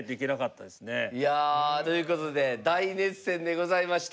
いやということで大熱戦でございました。